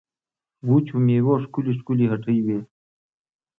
وچو مېوو ښکلې ښکلې هټۍ وې.